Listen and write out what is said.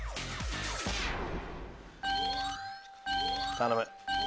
頼む！